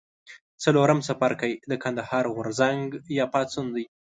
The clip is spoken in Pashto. څلورم څپرکی د کندهار غورځنګ یا پاڅون دی.